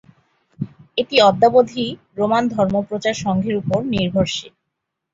এটি অদ্যাবধি রোমান ধর্মপ্রচার সংঘের ওপর নির্ভরশীল।